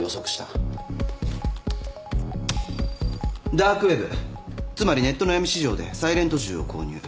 ダークウェブつまりネットの闇市場でサイレント銃を購入。